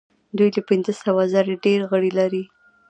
دوی له پنځه سوه زره ډیر غړي لري.